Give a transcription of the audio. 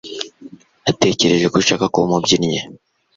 Natekereje ko ushaka kuba umubyinnyi.